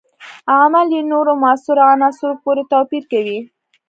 عمل یې نورو موثرو عناصرو پورې توپیر کوي.